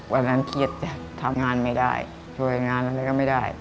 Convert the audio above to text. วันนั้นเครียดจ้ะทำงานไม่ได้ช่วยงานอะไรก็ไม่ได้